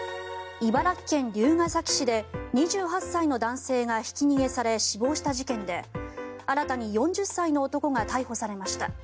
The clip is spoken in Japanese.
茨城県龍ケ崎市で２８歳の男性がひき逃げされ死亡した事件で新たに４０歳の男が逮捕されました。